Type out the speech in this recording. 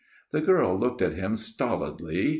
" The girl looked at him stolidly.